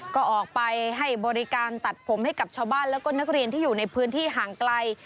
ก็ออกไปให้บริการตัดผมให้กับชาวบ้านแล้วก็นักเรียนที่อยู่ในพื้นที่ห่างไกล